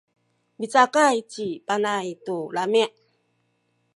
micakay ci Panay tu lami’.